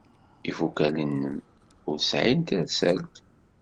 Ifukal-nnem ur sɛin tirselt.